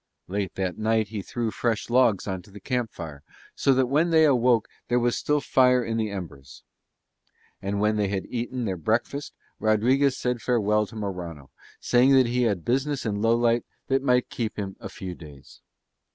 Late that night he threw fresh logs on the camp fire, so that when they awoke there was still fire in the embers And when they had eaten their breakfast Rodriguez said farewell to Morano, saying that he had business in Lowlight that might keep him a few days.